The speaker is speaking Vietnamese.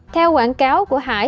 theo quảng cáo của hải